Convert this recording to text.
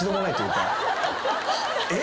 えっ！